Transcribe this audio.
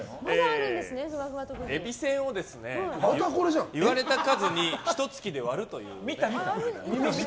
えびせんを言われた数にひと突きで割るという。